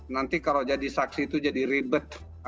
nanti kalau jadi saksi itu jadi ribet